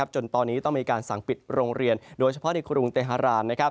จนตอนนี้ต้องมีการสั่งปิดโรงเรียนโดยเฉพาะในกรุงเตฮาราม